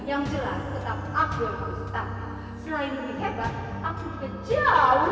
yang jelas tetap aku yang harus tetap